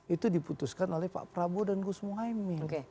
itu diputuskan oleh pak prabowo dan gus muhaymin